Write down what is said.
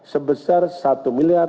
sebesar satu lima juta dolar